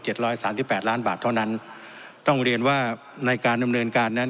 ร้อยสามสิบแปดล้านบาทเท่านั้นต้องเรียนว่าในการดำเนินการนั้น